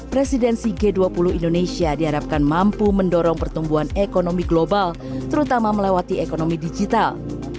presidensi g dua puluh indonesia diharapkan mampu mendorong pertumbuhan ekonomi global terutama melewati ekonomi digital